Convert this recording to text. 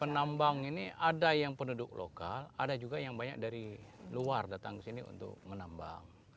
penambang ini ada yang penduduk lokal ada juga yang banyak dari luar datang ke sini untuk menambang